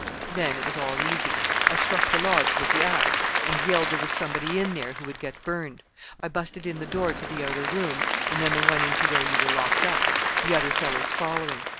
Then it was all easy. I struck the logs with the axe, and yelled there was somebody in there who would get burned; I busted in the door to the outer room, and then the one into where you were locked up the other fellows following.